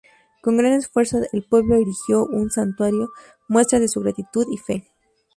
Con gran esfuerzo el pueblo erigió un Santuario, muestra de su gratitud y fe.